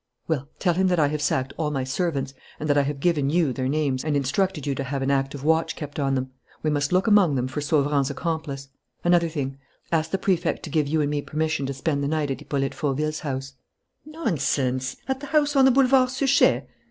"Well, tell him that I have sacked all my servants and that I have given you their names and instructed you to have an active watch kept on them. We must look among them for Sauverand's accomplice. Another thing: ask the Prefect to give you and me permission to spend the night at Hippolyte Fauville's house." "Nonsense! At the house on the Boulevard Suchet?"